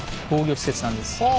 防御施設なんです。